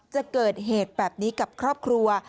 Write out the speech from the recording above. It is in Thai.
จะเกิดเหตุแบบนี้กับครอบครัว